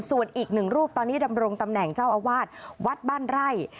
ส่วนอีกหนึ่งรูปตอนนี้ดำรงตำแหน่งเจ้าอาวาสวัดบ้านไร่